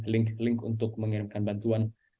link link untuk mengirimkan bantuan